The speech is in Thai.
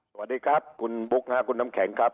สวัสดีครับคุณบุ๊คคุณน้ำแข็งครับ